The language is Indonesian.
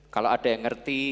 kalau ada yang ngerti